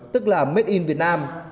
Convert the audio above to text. tức là made in vietnam